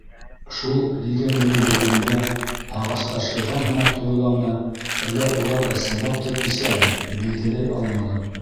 Шул легенданы белгәнгә ағастар шылған һымаҡ тойоламы, әллә улар ысынлап та күсәме, билдәләй алманым.